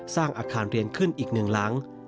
สร้างอาคารเรียนขึ้นอีกหนึ่งหลัง